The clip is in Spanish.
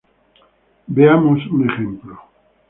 Veamos un ejemplo.